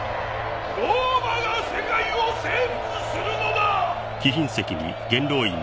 ローマが世界を征服するのだ！